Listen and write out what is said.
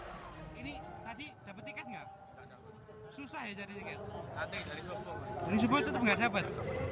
dan tadi kesini dari pagi subuh nggak dapat